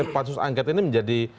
pasus angket ini menjadi